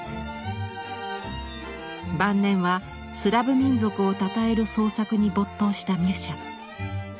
晩年はスラヴ民族をたたえる創作に没頭したミュシャ。